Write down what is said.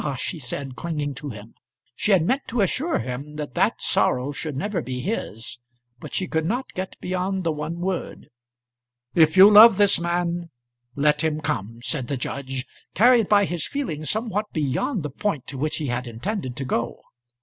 she said, clinging to him. She had meant to assure him that that sorrow should never be his, but she could not get beyond the one word. "If you love this man, let him come," said the judge, carried by his feelings somewhat beyond the point to which he had intended to go.